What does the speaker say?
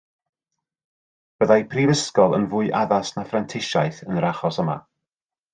Byddai prifysgol yn fwy addas na phrentisiaeth yn yr achos yma